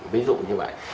ví dụ như vậy